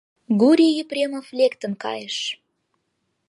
Гурий Епремов лектын кайыш.